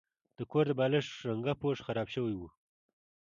د کور د بالښت رنګه پوښ خراب شوی و.